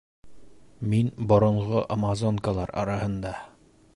Мин боронғо амазонкалар араһында!